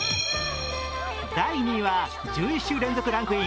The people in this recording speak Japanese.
第２位は、１１週連続ランクイン